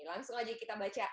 langsung aja kita baca